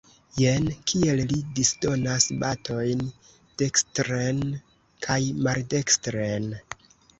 Jen kiel li disdonas batojn dekstren kaj maldekstren!